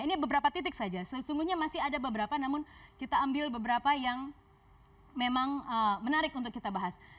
ini beberapa titik saja sesungguhnya masih ada beberapa namun kita ambil beberapa yang memang menarik untuk kita bahas